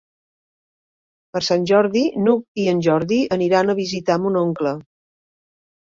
Per Sant Jordi n'Hug i en Jordi aniran a visitar mon oncle.